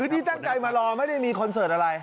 นี่ตั้งใจมารอไม่ได้มีคอนเสิร์ตอะไร